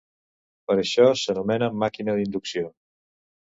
Per això s'anomena màquina d'inducció.